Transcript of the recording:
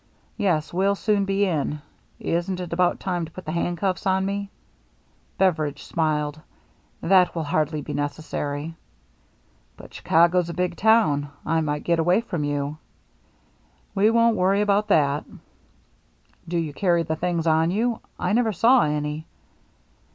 "Yes. We'll soon be in. Isn't it about time to put the handcuffs on me ?" Beveridge smiled. "That will hardly be necessary." "But Chicago's a bad town. I might get away from you." " We won't worry about that." " Do you carry the things on you ? I never saw any."